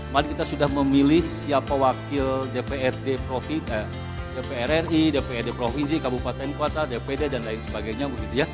mari kita sudah memilih siapa wakil dprd dpr ri dprd provinsi kabupaten kota dpr dan lain sebagainya